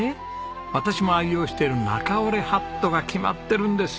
私も愛用している中折れハットが決まってるんです。